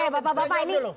oke bapak bapak ini